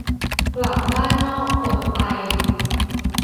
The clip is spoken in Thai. กลับบ้านนอก อดไป